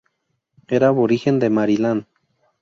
Era aborigen de Maryland.